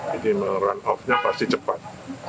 jadi runoff nya pasti cepat